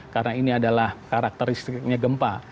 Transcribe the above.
karena ini adalah karakteristiknya gempa